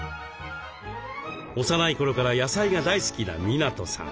幼い頃から野菜が大好きな湊さん。